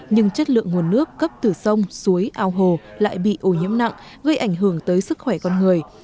nhưng chất lượng nguồn nước cấp từ sông suối ao hồ lại bị ô nhiễm nặng gây ảnh hưởng tới sức khỏe con người